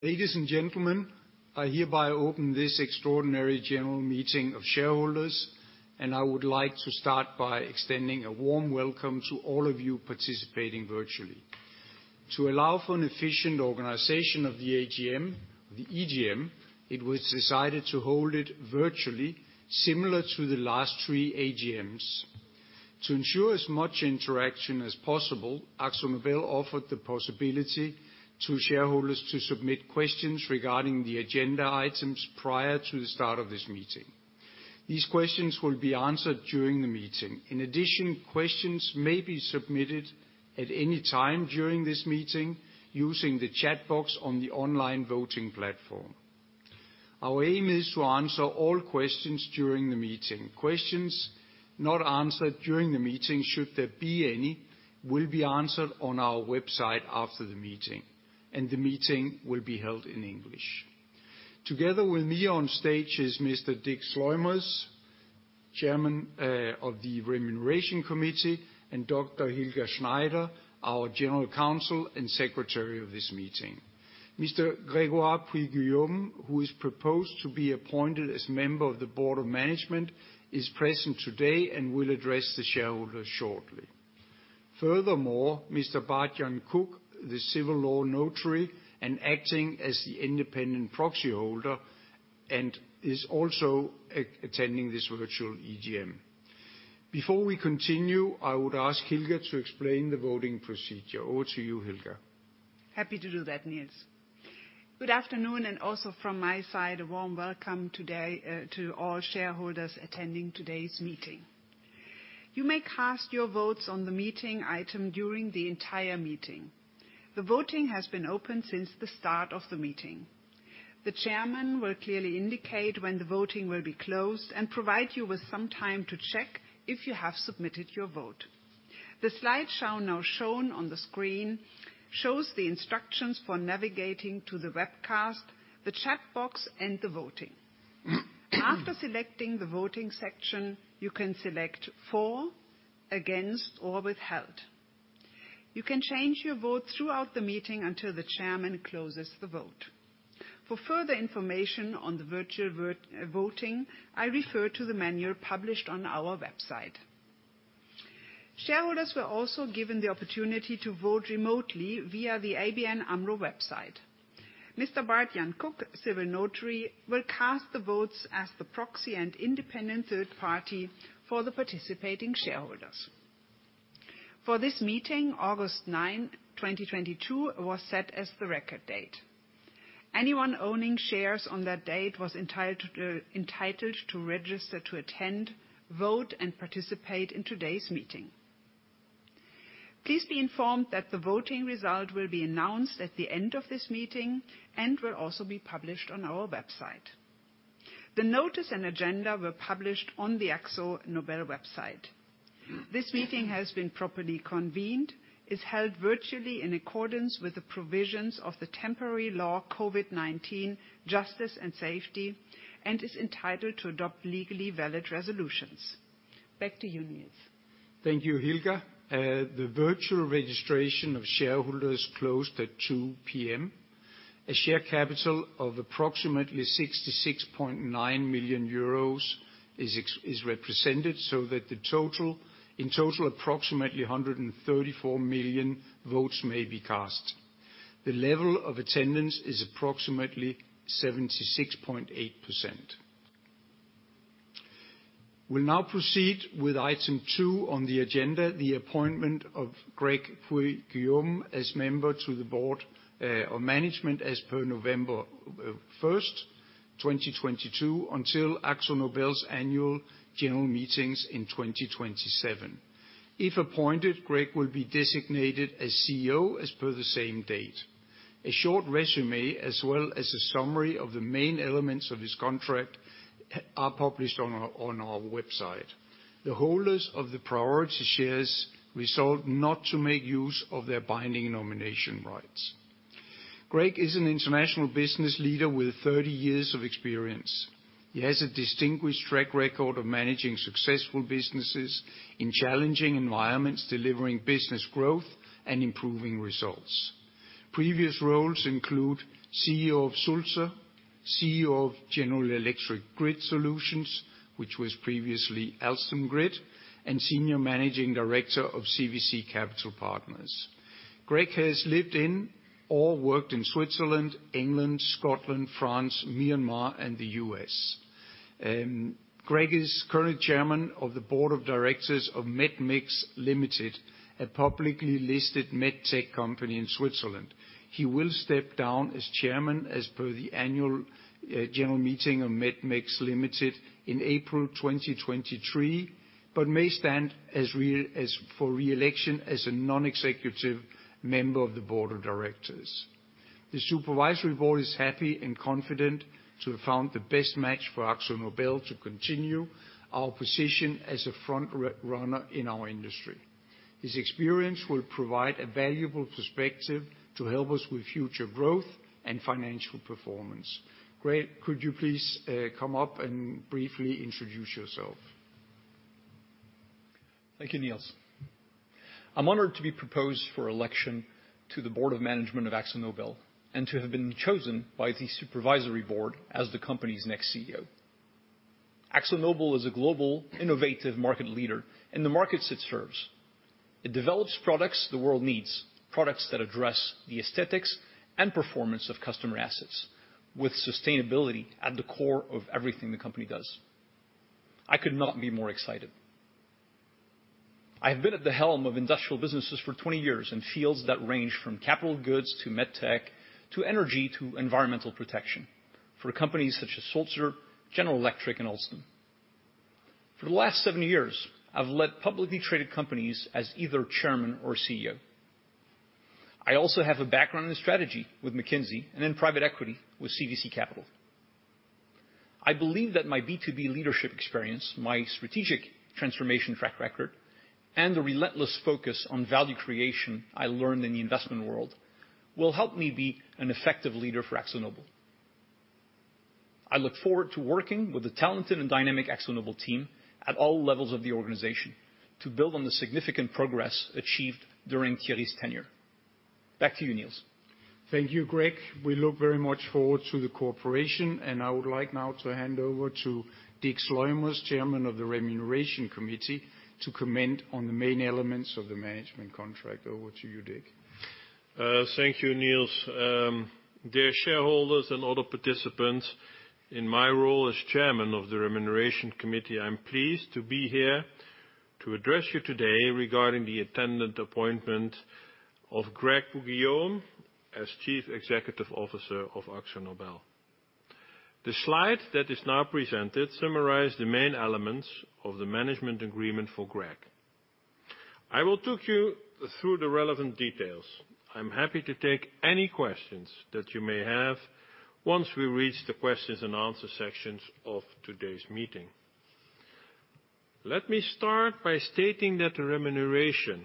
Ladies and gentlemen, I hereby open this extraordinary general meeting of shareholders, and I would like to start by extending a warm welcome to all of you participating virtually. To allow for an efficient organization of the AGM, the EGM, it was decided to hold it virtually similar to the last three AGMs. To ensure as much interaction as possible, AkzoNobel offered the possibility to shareholders to submit questions regarding the agenda items prior to the start of this meeting. These questions will be answered during the meeting. In addition, questions may be submitted at any time during this meeting using the chat box on the online voting platform. Our aim is to answer all questions during the meeting. Questions not answered during the meeting, should there be any, will be answered on our website after the meeting. The meeting will be held in English. Together with me on stage is Mr. Dick Sluimers, Chairman of the Remuneration Committee, and Dr. Hilka Schneider, our General Counsel and Secretary of this meeting. Mr. Grégoire Poux-Guillaume, who is proposed to be appointed as member of the Board of Management, is present today and will address the shareholders shortly. Furthermore, Mr. Bart-Jan Kuck, the civil law notary and acting as the independent proxy holder, and is also attending this virtual EGM. Before we continue, I would ask Hilka to explain the voting procedure. Over to you, Hilka. Happy to do that, Nils. Good afternoon, and also from my side, a warm welcome today to all shareholders attending today's meeting. You may cast your votes on the meeting item during the entire meeting. The voting has been open since the start of the meeting. The chairman will clearly indicate when the voting will be closed and provide you with some time to check if you have submitted your vote. The slideshow now shown on the screen shows the instructions for navigating to the webcast, the chat box, and the voting. After selecting the voting section, you can select For, Against, or Withheld. You can change your vote throughout the meeting until the chairman closes the vote. For further information on the virtual voting, I refer to the manual published on our website. Shareholders were also given the opportunity to vote remotely via the ABN AMRO website. Mr. Bart-Jan Kuck, civil notary, will cast the votes as the proxy and independent third party for the participating shareholders. For this meeting, August 9, 2022 was set as the record date. Anyone owning shares on that date was entitled to register to attend, vote, and participate in today's meeting. Please be informed that the voting result will be announced at the end of this meeting and will also be published on our website. The notice and agenda were published on the AkzoNobel website. This meeting has been properly convened, is held virtually in accordance with the provisions of the Temporary Act COVID-19 Justice and Security, and is entitled to adopt legally valid resolutions. Back to you, Nils. Thank you, Hilka. The virtual registration of shareholders closed at 2:00 P.M. A share capital of approximately 66.9 million euros is represented so that in total approximately 134 million votes may be cast. The level of attendance is approximately 76.8%. We'll now proceed with item two on the agenda, the appointment of Grégoire Poux-Guillaume as member to the Board of Management as per November first, 2022 until AkzoNobel's annual general meetings in 2027. If appointed, Grégoire will be designated as CEO as per the same date. A short résumé, as well as a summary of the main elements of his contract are published on our website. The holders of the priority shares resolved not to make use of their binding nomination rights. Greg is an international business leader with 30 years of experience. He has a distinguished track record of managing successful businesses in challenging environments, delivering business growth and improving results. Previous roles include CEO of Sulzer, CEO of General Electric Grid Solutions, which was previously Alstom Grid, and Senior Managing Director of CVC Capital Partners. Greg has lived in or worked in Switzerland, England, Scotland, France, Myanmar, and the U.S. Greg is current Chairman of the Board of Directors of medmix Ltd, a publicly listed med tech company in Switzerland. He will step down as chairman as per the annual general meeting of medmix Ltd in April 2023, but may stand for re-election as a non-executive member of the board of directors. The Supervisory Board is happy and confident to have found the best match for AkzoNobel to continue our position as a front runner in our industry. His experience will provide a valuable perspective to help us with future growth and financial performance. Greg, could you please come up and briefly introduce yourself? Thank you, Nils. I'm honored to be proposed for election to the Board of Management of AkzoNobel and to have been chosen by the Supervisory Board as the company's next CEO. AkzoNobel is a global, innovative market leader in the markets it serves. It develops products the world needs, products that address the aesthetics and performance of customer assets with sustainability at the core of everything the company does. I could not be more excited. I have been at the helm of industrial businesses for 20 years in fields that range from capital goods to med tech to energy to environmental protection for companies such as Sulzer, General Electric, and Alstom. For the last 7 years, I've led publicly traded companies as either chairman or CEO. I also have a background in strategy with McKinsey and in private equity with CVC Capital. I believe that my B2B leadership experience, my strategic transformation track record, and the relentless focus on value creation I learned in the investment world will help me be an effective leader for AkzoNobel. I look forward to working with the talented and dynamic AkzoNobel team at all levels of the organization to build on the significant progress achieved during Thierry's tenure. Back to you, Nils. Thank you, Greg. We look very much forward to the cooperation, and I would like now to hand over to Dick Sluimers, Chairman of the Remuneration Committee, to comment on the main elements of the management contract. Over to you, Dick. Thank you, Nils. Dear shareholders and other participants, in my role as Chairman of the Remuneration Committee, I'm pleased to be here to address you today regarding the attendant appointment of Grégoire Poux-Guillaume as Chief Executive Officer of AkzoNobel. The slide that is now presented summarize the main elements of the management agreement for Grégoire. I will talk you through the relevant details. I'm happy to take any questions that you may have once we reach the questions and answer sections of today's meeting. Let me start by stating that the remuneration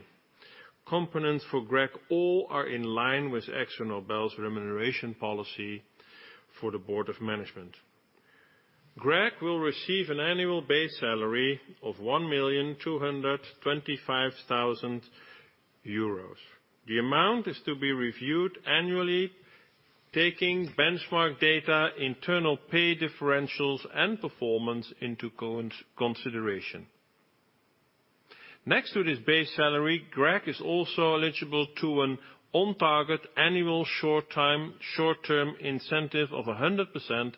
components for Grégoire all are in line with AkzoNobel's remuneration policy for the Board of Management. Grégoire will receive an annual base salary of 1,225,000 euros. The amount is to be reviewed annually, taking benchmark data, internal pay differentials, and performance into consideration. Next to this base salary, Greg is also eligible to an on-target annual short-term incentive of 100%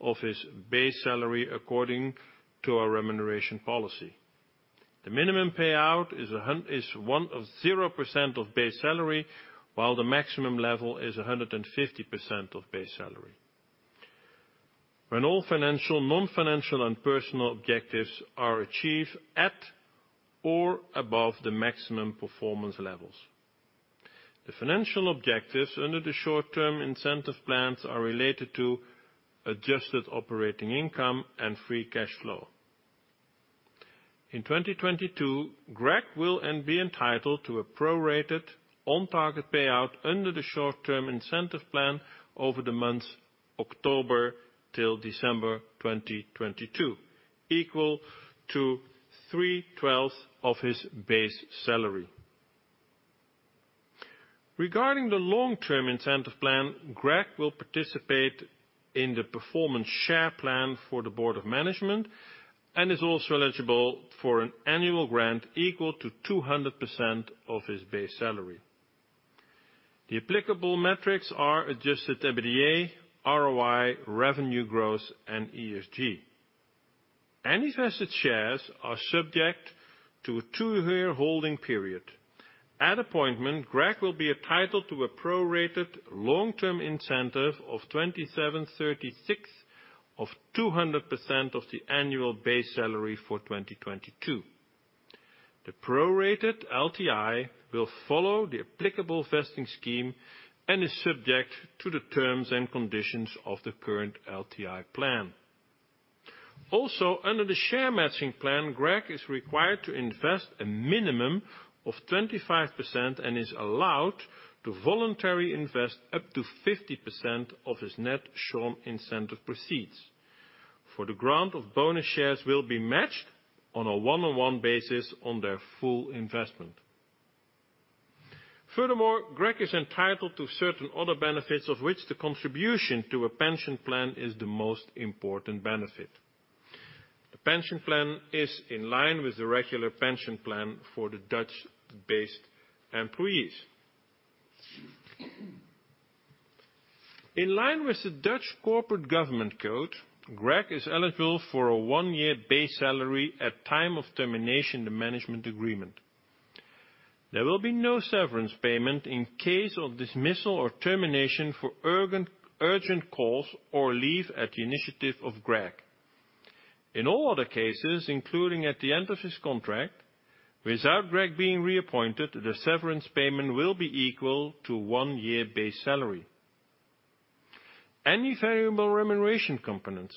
of his base salary according to our remuneration policy. The minimum payout is zero percent of base salary, while the maximum level is 150% of base salary when all financial, non-financial, and personal objectives are achieved at or above the maximum performance levels. The financial objectives under the short-term incentive plans are related to adjusted operating income and free cash flow. In 2022, Greg will be entitled to a prorated on-target payout under the short-term incentive plan over the months October till December 2022, equal to three-twelfths of his base salary. Regarding the long-term incentive plan, Greg will participate in the performance share plan for the Board of Management and is also eligible for an annual grant equal to 200% of his base salary. The applicable metrics are adjusted EBITDA, ROI, revenue growth, and ESG. Any vested shares are subject to a 2-year holding period. At appointment, Greg will be entitled to a prorated long-term incentive of 27/36 of 200% of the annual base salary for 2022. The prorated LTI will follow the applicable vesting scheme and is subject to the terms and conditions of the current LTI plan. Under the share matching plan, Greg is required to invest a minimum of 25% and is allowed to voluntarily invest up to 50% of his net short-term incentive proceeds, for the grant of bonus shares will be matched on a 1:1 basis on their full investment. Furthermore, Greg is entitled to certain other benefits, of which the contribution to a pension plan is the most important benefit. The pension plan is in line with the regular pension plan for the Dutch-based employees. In line with the Dutch Corporate Governance Code, Greg is eligible for a 1-year base salary at time of termination in the management agreement. There will be no severance payment in case of dismissal or termination for urgent cause or leave at the initiative of Greg. In all other cases, including at the end of his contract, without Greg being reappointed, the severance payment will be equal to one year base salary. Any variable remuneration components,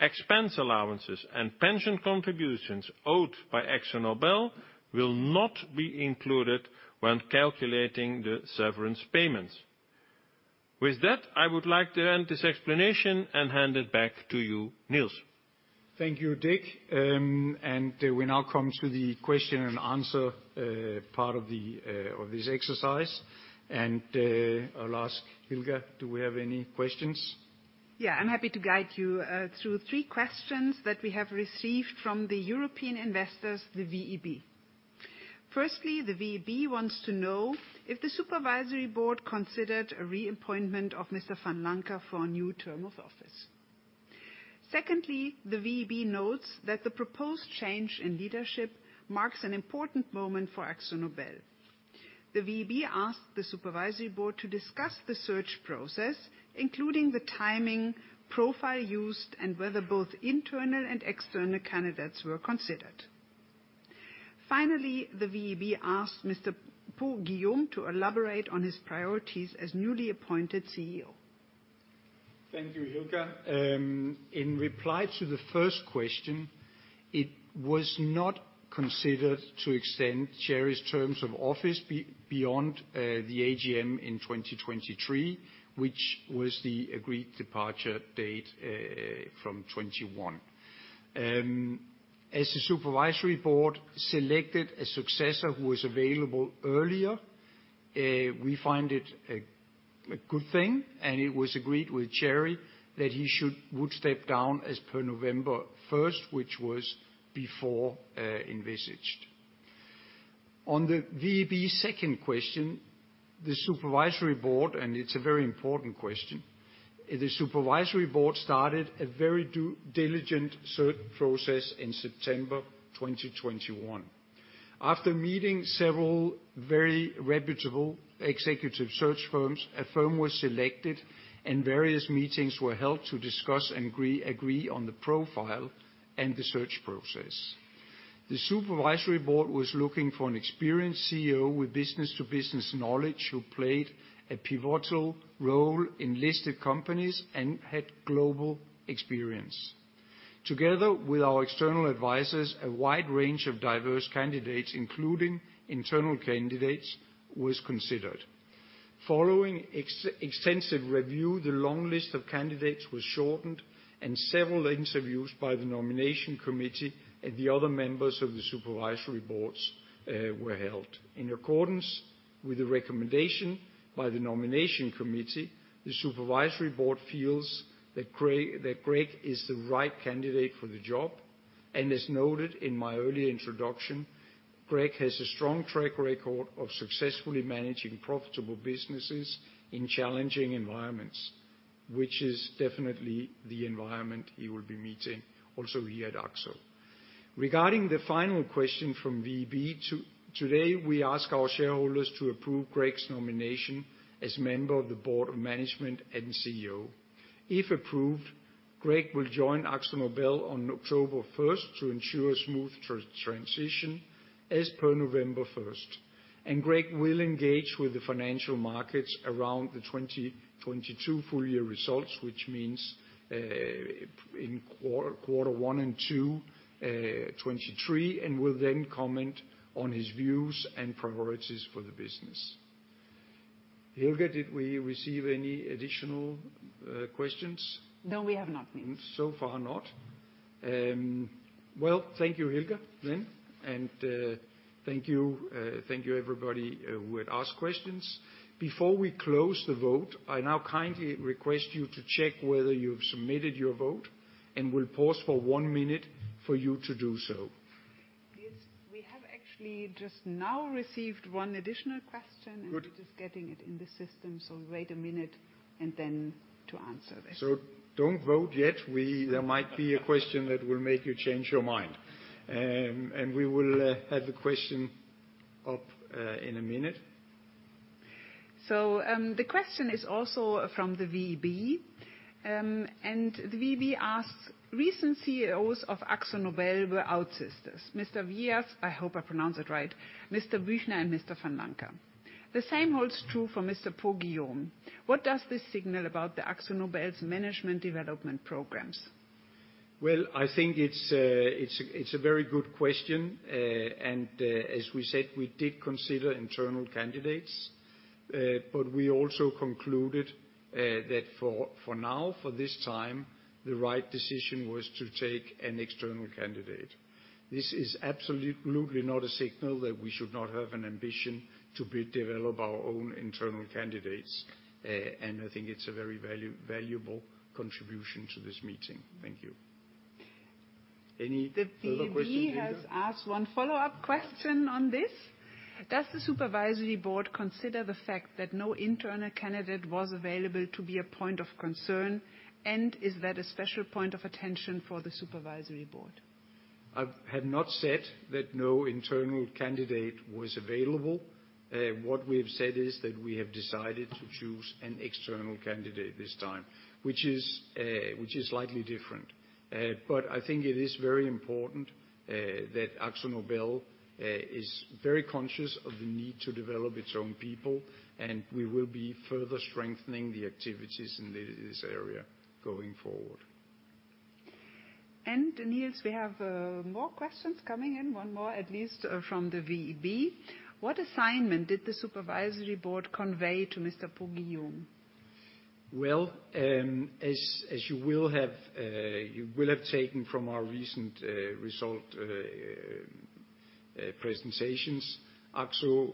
expense allowances, and pension contributions owed by AkzoNobel will not be included when calculating the severance payments. With that, I would like to end this explanation and hand it back to you, Nils. Thank you, Dick. We now come to the question and answer part of this exercise. I'll ask Hilka, do we have any questions? Yeah. I'm happy to guide you through three questions that we have received from the European investors, the VEB. Firstly, the VEB wants to know if the supervisory board considered a reappointment of Mr. Vanlancker for a new term of office. Secondly, the VEB notes that the proposed change in leadership marks an important moment for AkzoNobel. The VEB asked the supervisory board to discuss the search process, including the timing, profile used, and whether both internal and external candidates were considered. Finally, the VEB asked Mr. Poux-Guillaume to elaborate on his priorities as newly appointed CEO. Thank you, Hilka. In reply to the first question, it was not considered to extend Thiery terms of office beyond the AGM in 2023, which was the agreed departure date from 2021. As the supervisory board selected a successor who was available earlier, we find it a good thing, and it was agreed with Thiery that he would step down as per November 1st, which was before envisaged. On the VEB second question, the supervisory board, and it's a very important question, the supervisory board started a very diligent search process in September 2021. After meeting several very reputable executive search firms, a firm was selected, and various meetings were held to discuss and agree on the profile and the search process. The supervisory board was looking for an experienced CEO with business to business knowledge who played a pivotal role in listed companies and had global experience. Together with our external advisors, a wide range of diverse candidates, including internal candidates, was considered. Following extensive review, the long list of candidates was shortened and several interviews by the nomination committee and the other members of the supervisory boards were held. In accordance with the recommendation by the nomination committee, the supervisory board feels that Greg is the right candidate for the job, and as noted in my earlier introduction, Greg has a strong track record of successfully managing profitable businesses in challenging environments, which is definitely the environment he will be meeting also here at AkzoNobel. Regarding the final question from VEB, today, we ask our shareholders to approve Greg's nomination as member of the board of management and CEO. If approved, Greg will join AkzoNobel on October 1st to ensure smooth transition as per November 1st. Greg will engage with the financial markets around the 2022 full year results, which means, in Q1 and Q2, 2023, and will then comment on his views and priorities for the business. Hilka, did we receive any additional questions? No. We have not, Nils. So far not. Well, thank you, Hilka, then. Thank you everybody who had asked questions. Before we close the vote, I now kindly request you to check whether you've submitted your vote, and we'll pause for one minute for you to do so. Nils, we have actually just now received one additional question. Good We're just getting it in the system, so wait a minute and then to answer that. Don't vote yet. There might be a question that will make you change your mind. We will have the question up in a minute. The question is also from the VEB, and the VEB asks recent CEOs of AkzoNobel were outsiders. Mr. Wijers, I hope I pronounce it right, Mr. Büchner, and Mr. Vanlancker. The same holds true for Mr. Poux-Guillaume. What does this signal about AkzoNobel's management development programs? Well, I think it's a very good question. As we said, we did consider internal candidates, but we also concluded that for now, for this time, the right decision was to take an external candidate. This is absolutely not a signal that we should not have an ambition to develop our own internal candidates. I think it's a very valuable contribution to this meeting. Thank you. Any other questions, Hilka? The VEB has asked one follow-up question on this. Does the supervisory board consider the fact that no internal candidate was available to be a point of concern? Is that a special point of attention for the supervisory board? I have not said that no internal candidate was available. What we have said is that we have decided to choose an external candidate this time, which is slightly different. I think it is very important that AkzoNobel is very conscious of the need to develop its own people, and we will be further strengthening the activities in this area going forward. Nils, we have more questions coming in, one more at least, from the VEB. What assignment did the supervisory board convey to Mr. Poux-Guillaume? As you will have taken from our recent results presentations, Akzo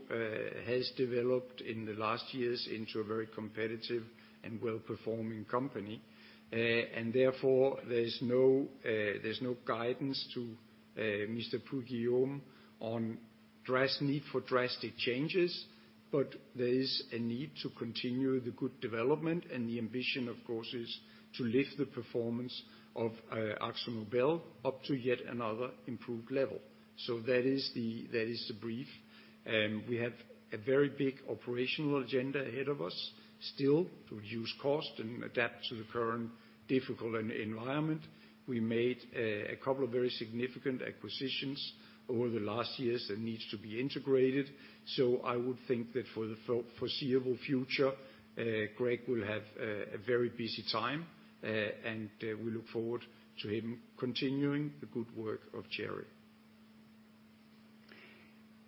has developed in the last years into a very competitive and well-performing company. Therefore there's no guidance to Mr. Poux-Guillaume on need for drastic changes, but there is a need to continue the good development, and the ambition, of course, is to lift the performance of AkzoNobel up to yet another improved level. That is the brief. We have a very big operational agenda ahead of us still to reduce cost and adapt to the current difficult environment. We made a couple of very significant acquisitions over the last years that needs to be integrated. I would think that for the foreseeable future, Grégoire Poux-Guillaume will have a very busy time, and we look forward to him continuing the good work of Thierry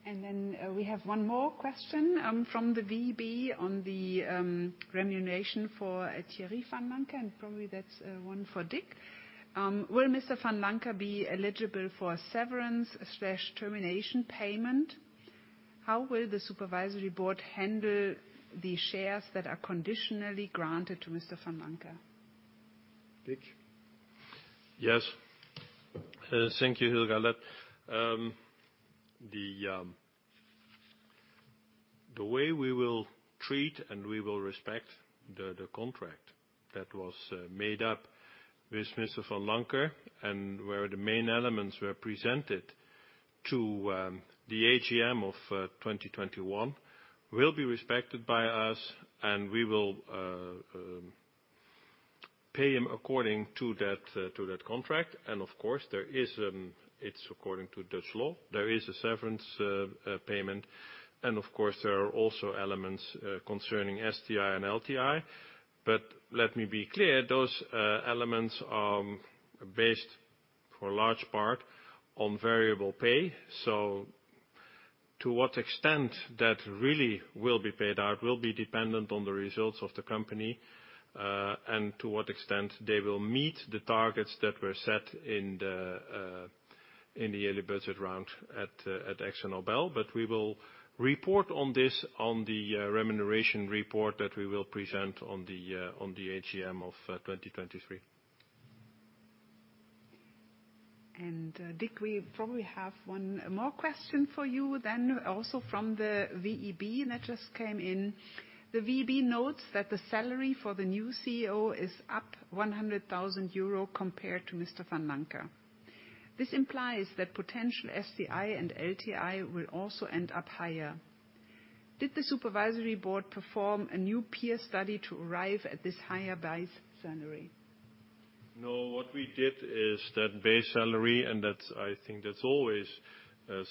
Vanlancker. We have one more question from the VEB on the remuneration for Thierry Vanlancker, and probably that's one for Dick. Will Mr. Vanlancker be eligible for severance/termination payment? How will the supervisory board handle the shares that are conditionally granted to Mr. Vanlancker? Dick? Yes. Thank you, Hilka. The way we will treat and we will respect the contract that was made up with Mr. Vanlancker and where the main elements were presented to the AGM of 2021 will be respected by us, and we will pay him according to that contract. Of course, it's according to Dutch law, there is a severance payment, and of course, there are also elements concerning STI and LTI. Let me be clear, those elements are based for a large part on variable pay. To what extent that really will be paid out will be dependent on the results of the company, and to what extent they will meet the targets that were set in the early budget round at AkzoNobel. We will report on this in the remuneration report that we will present at the AGM of 2023. Dick, we probably have one more question for you then also from the VEB, and that just came in. The VEB notes that the salary for the new CEO is up 100,000 euro compared to Mr. Vanlancker. This implies that potential STI and LTI will also end up higher. Did the supervisory board perform a new peer study to arrive at this higher base salary? No. What we did is that base salary, and that's, I think that's always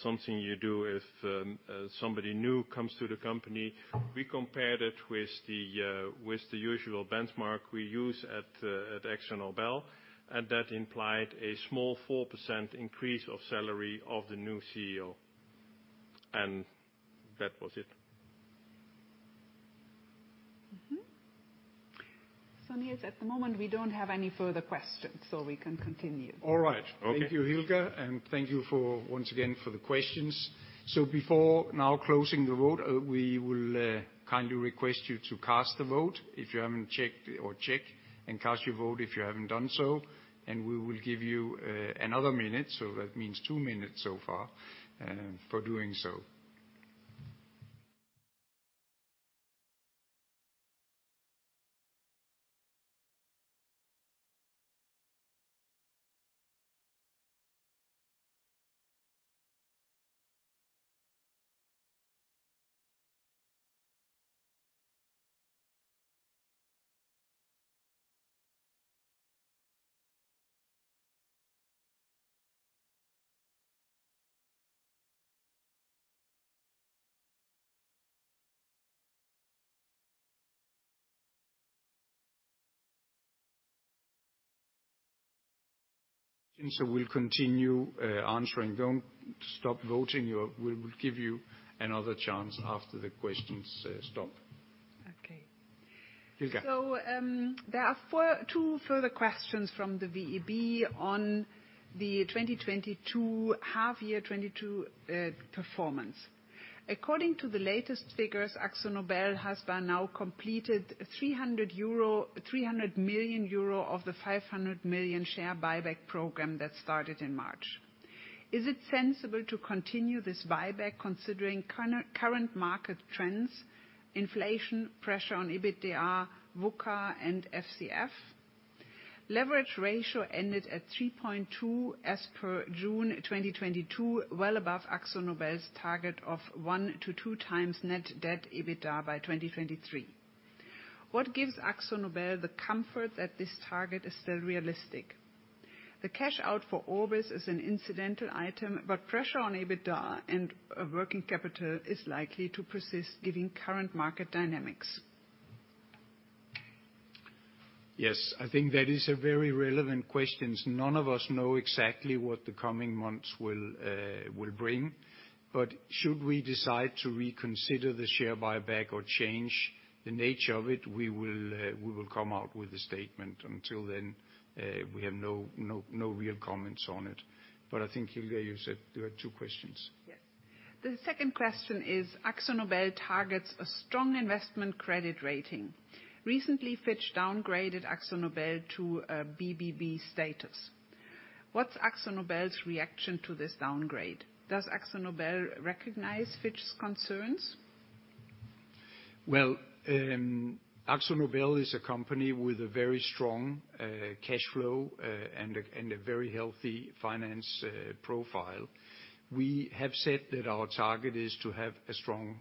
something you do if somebody new comes to the company. We compared it with the usual benchmark we use at AkzoNobel, and that implied a small 4% increase of salary of the new CEO. That was it. Nils, at the moment, we don't have any further questions, so we can continue. All right. Okay. Thank you, Hilka, and thank you for, once again, for the questions. Before now closing the vote, we will kindly request you to cast the vote if you haven't checked or check and cast your vote if you haven't done so, and we will give you another minute, so that means two minutes so far, for doing so. We'll continue answering. Don't stop voting. We will give you another chance after the questions stop. Okay. Hilga. There are two further questions from the VEB on the 2022 half-year performance. According to the latest figures, AkzoNobel has by now completed 300 million euro of the 500 million share buyback program that started in March. Is it sensible to continue this buyback considering current market trends, inflation, pressure on EBITDA, VUCA, and FCF? Leverage ratio ended at 3.2 as per June 2022, well above AkzoNobel's target of 1-2 times net debt EBITDA by 2023. What gives AkzoNobel the comfort that this target is still realistic? The cash out for Orbis is an incidental item, but pressure on EBITDA and working capital is likely to persist given current market dynamics. Yes, I think that is a very relevant question. None of us know exactly what the coming months will bring. Should we decide to reconsider the share buyback or change the nature of it, we will come out with a statement. Until then, we have no real comments on it. I think, Hilka, you said there were two questions. Yes. The second question is, AkzoNobel targets a strong investment credit rating. Recently, Fitch downgraded AkzoNobel to a BBB status. What's AkzoNobel's reaction to this downgrade? Does AkzoNobel recognize Fitch's concerns? Well, AkzoNobel is a company with a very strong cash flow and a very healthy financial profile. We have said that our target is to have a strong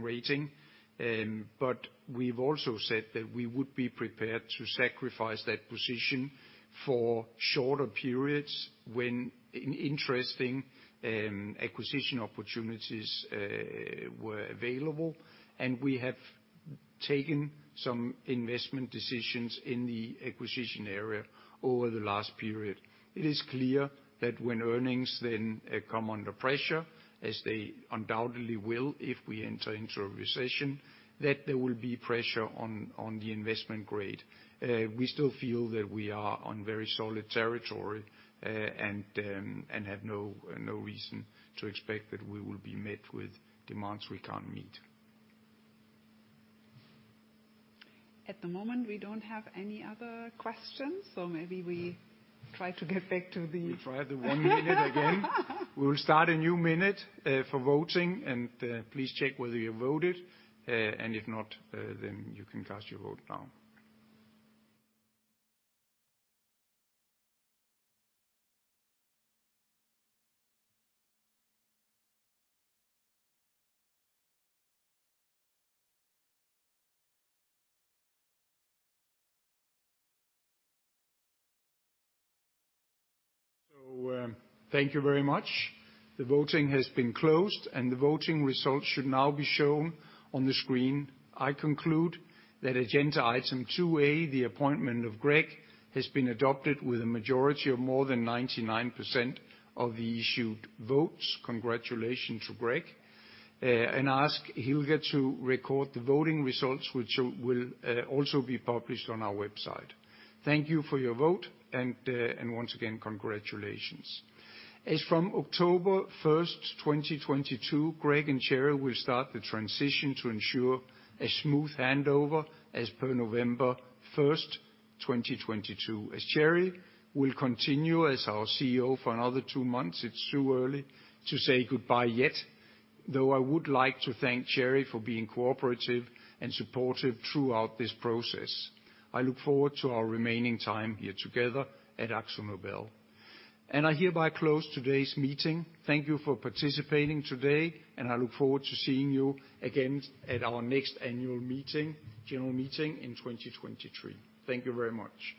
rating, but we've also said that we would be prepared to sacrifice that position for shorter periods when interesting acquisition opportunities were available, and we have taken some investment decisions in the acquisition area over the last period. It is clear that when earnings then come under pressure, as they undoubtedly will if we enter into a recession, that there will be pressure on the investment grade. We still feel that we are on very solid territory, and have no reason to expect that we will be met with demands we can't meet. At the moment, we don't have any other questions, so maybe we try to get back to the. We try the one minute again. We'll start a new minute for voting, and please check whether you voted. If not, then you can cast your vote now. Thank you very much. The voting has been closed, and the voting results should now be shown on the screen. I conclude that agenda item 2A, the appointment of Grégoire, has been adopted with a majority of more than 99% of the issued votes. Congratulations to Grégoire. Ask Hilka to record the voting results, which will also be published on our website. Thank you for your vote, and once again, congratulations. As from October 1st, 2022, Grégoire and Thierry will start the transition to ensure a smooth handover as per November 1st, 2022, as Thierry will continue as our CEO for another two months. It's too early to say goodbye yet, though I would like to thank Thierry Vanlancker for being cooperative and supportive throughout this process. I look forward to our remaining time here together at AkzoNobel. I hereby close today's meeting. Thank you for participating today, and I look forward to seeing you again at our next annual meeting, general meeting in 2023. Thank you very much.